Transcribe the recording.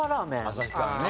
旭川ね。